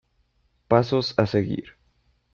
Pasos a seguir.